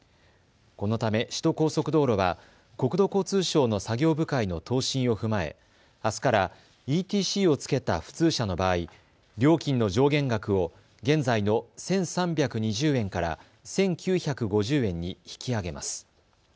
このため首都高速道路は国土交通省の作業部会の答申を踏まえあすからＥＴＣをつけた普通車の場合、料金の上限額を現在の１３２０円から１９５０円に引き上げます。